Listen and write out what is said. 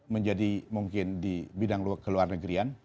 menjadi mungkin di bidang ke luar negerian